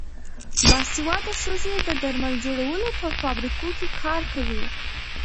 باسواده ښځې د درمل جوړولو په فابریکو کې کار کوي.